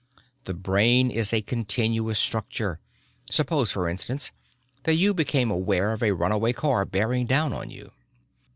"The brain is a continuous structure. Suppose, for instance, that you become aware of a runaway car bearing down on you.